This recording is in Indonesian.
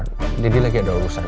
nanti lagi ada urusan